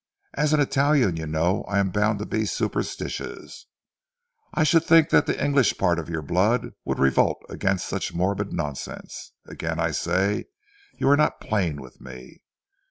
As an Italian you know I am bound to be superstitious." "I should think the English part of your blood would revolt against such morbid nonsense. Again I say you are not plain with me."